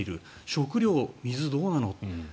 食料、水、どうなのって。